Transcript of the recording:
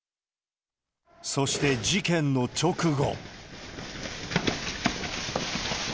そして事件の直後。